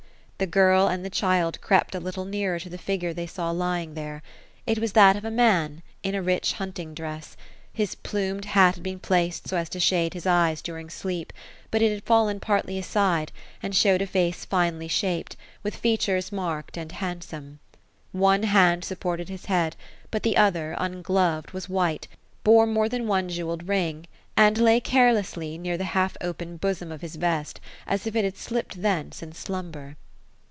The girl and the child crept a little nearer to the figure they saw lying there. It was that of a man, in a rich hunting dress. His plumed hat had been placed so as to shade his eyes during sleep ; but it had fallen partly aside, and showed a face finely shaped, with features marked and handsome. One hand supported his head ; but the other, ungloved, was white, bore more than one jewelled ring, and lay carelessly, near the half open bosom of his vest, as if it had slipped thence in slumber.